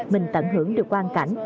mình tận hưởng được quan cảnh